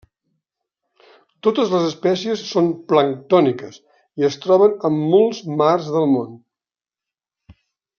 Totes les espècies són planctòniques i es troben en molts mars del món.